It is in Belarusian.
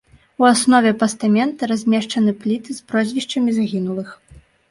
У аснове пастамента размешчаны пліты з прозвішчамі загінулых.